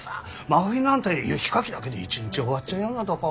真冬なんて雪かきだけで一日終わっちゃうようなとこ。